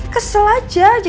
kita gehad cucumber aja